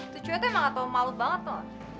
tuh cewek tuh emang gak tau malut banget loh